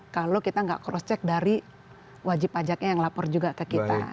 kalau kita nggak cross check dari wajib pajaknya yang lapor juga ke kita